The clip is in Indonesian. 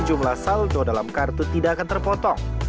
jumlah saldo dalam kartu tidak akan terpotong